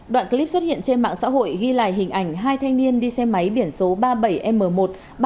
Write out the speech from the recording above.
đoạn clip xuất hiện trên mạng xã hội ghi lại hình ảnh hai thanh niên đi xe máy biển số ba mươi bảy m một trăm ba mươi năm nghìn tám trăm linh một